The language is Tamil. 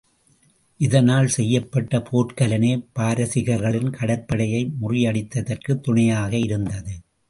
இதனால் செய்யப்பட்ட போர்க்கலனே பாரசிகர்களின் கடற்படையை முறியடித்தற்குத் துணையாக இருந்தது.